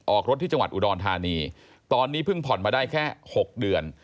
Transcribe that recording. ออกรถที่จังหวัดอุดรธานีตอนนี้เพิ่งผ่อนมาได้แค่๖เดือน